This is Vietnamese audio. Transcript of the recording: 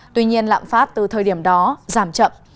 tuy nhiên lạm phát từ thời điểm đó giảm chậm